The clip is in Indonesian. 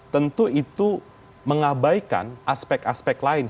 tentu itu mengabaikan aspek aspek lain